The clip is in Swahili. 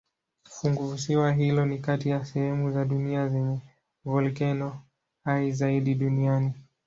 Funguvisiwa hilo ni kati ya sehemu za dunia zenye volkeno hai zaidi duniani.